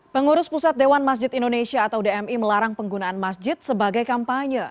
pengurus pusat dewan masjid indonesia atau dmi melarang penggunaan masjid sebagai kampanye